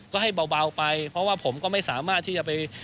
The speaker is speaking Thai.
ก็ให้เบาไปเพราะว่าผมก็ไม่สามารถที่จะไป